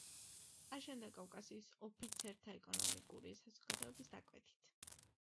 აშენდა კავკასიის ოფიცერთა ეკონომიკური საზოგადოების დაკვეთით.